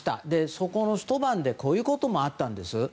そのひと晩でこういうこともあったんです。